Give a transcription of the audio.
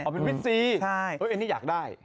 อ๋อเป็นวิทซีเอนเอนนี่อยากได้